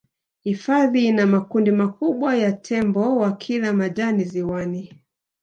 hifadhi ina makundi makubwa ya tembo wakila majani ziwani